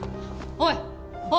おい！